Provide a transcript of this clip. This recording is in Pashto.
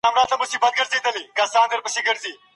افغان لیکوالان په اسانۍ سره بهرنۍ ویزې نه سي ترلاسه کولای.